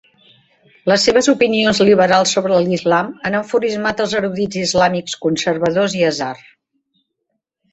Les seves opinions liberals sobre l'Islam han enfurismat els erudits islàmics conservadors i Azhar.